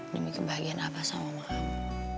demi kebahagiaan abah sama mamamu